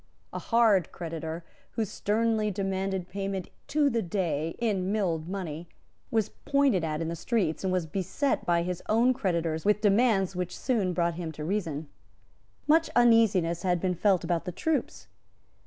A hard creditor, who sternly demanded payment to the day in milled money, was pointed at in the streets, and was beset by his own creditors with demands which soon brought him to reason. Much uneasiness had been felt about the troops.